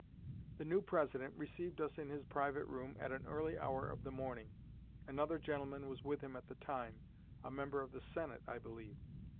The new President received us in his private room at an early hour of the morning; another gentleman was with him at the time, a member of the Senate, I believe.